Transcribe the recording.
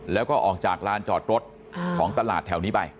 แล้วก็ออกจากลานจอดรถของตลาดแถวนี้ไป